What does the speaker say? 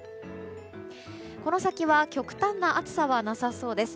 この先は極端な暑さはなさそうです。